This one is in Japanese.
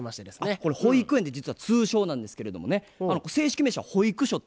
これ保育園って実は通称なんですけれどもね正式名称は保育所っていうんですよね。